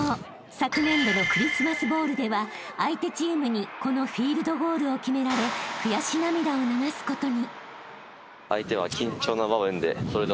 昨年度のクリスマスボウルでは相手チームにこのフィールド・ゴールを決められ悔し涙を流すことに］